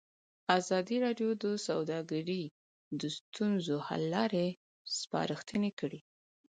ازادي راډیو د سوداګري د ستونزو حل لارې سپارښتنې کړي.